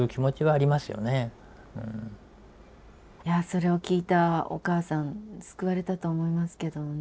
それを聞いたお母さん救われたと思いますけどね。